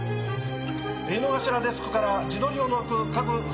井の頭デスクから地どりを除く各捜査員。